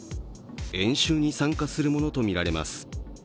演習に参加するものとみられます。